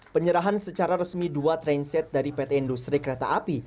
penyerahan secara resmi dua transit dari pt industri kereta api